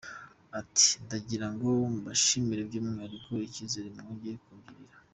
Ati “Ndagira ngo mbashimire by’umwihariko, icyizere mwongeye kungirira.